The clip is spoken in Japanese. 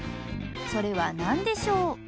それは何でしょう？